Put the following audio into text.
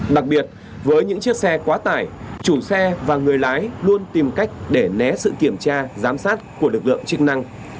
đặc biệt với những chiếc xe quá tải chủ xe và người lái luôn tìm cách để né sự kiểm tra giám sát của lực lượng chức năng